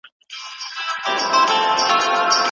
ایا نوي کروندګر تور ممیز پروسس کوي؟